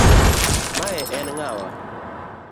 Mae en ng'awa .